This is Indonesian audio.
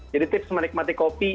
jadi tips menikmati kopi